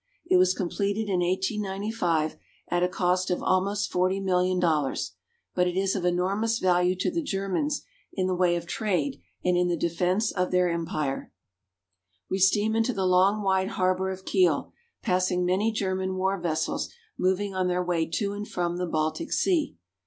It was completed in 1895 at a cost of almost forty million dollars ; but it is of enormous value to the Germans in the way of trade and in the defense of their empire. A German Windmill. IN THE GERMAN EMPIRE. 1 93 We steam into the long wide harbor of Kiel, passing many German war vessels moving on their way to and from the Baltic Sea.